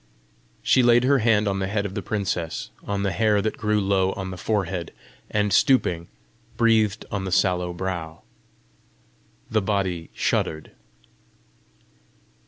She laid her hand on the head of the princess on the hair that grew low on the forehead, and stooping, breathed on the sallow brow. The body shuddered.